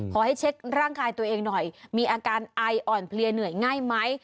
เช็คร่างกายตัวเองหน่อยมีอาการไออ่อนเพลียเหนื่อยง่ายไหม